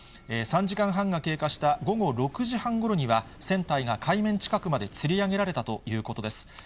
３時間半が経過した午後６時半ごろには、船体が海面近くまでつり上げられたということです。